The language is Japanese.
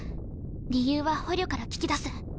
理由は捕虜から聞き出す。